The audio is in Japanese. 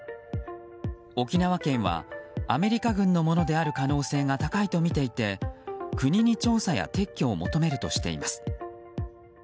沖縄県はアメリカ軍のものである可能性が高いとみていて国に調査や撤去を求めるとしています。